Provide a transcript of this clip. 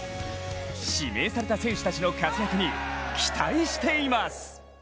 指名された選手たちの活躍に期待しています！